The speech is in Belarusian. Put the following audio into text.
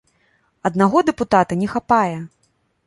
Аднаго дэпутата не хапае!